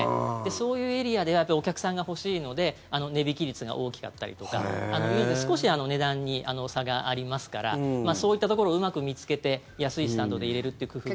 そういうエリアではやっぱりお客さんが欲しいので値引き率が大きかったりとかというので少し値段に差がありますからそういったところをうまく見つけて、安いスタンドで入れるという工夫も。